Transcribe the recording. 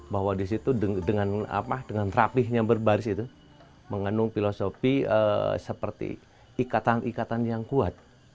bahwa di situ dengan rapihnya berbaris itu mengandung filosofi seperti ikatan ikatan yang kuat